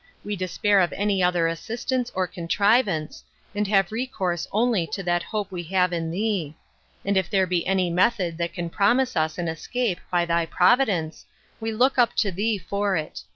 We despair of any other assistance or contrivance, and have recourse only to that hope we have in thee; and if there be any method that can promise us an escape by thy providence, we look up to thee for it.